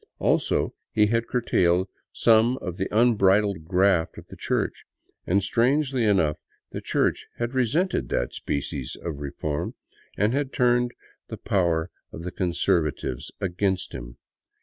Also he had curtailed some of the unbridled graft of the church; and strangely enough the church had resented that species of reform and turned the power of the Conservatives against him.